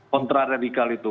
kontra radikal itu